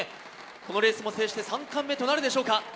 このレースも制して３冠目となるか。